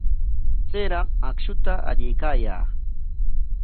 Chayraq akshuta allaykaayaa.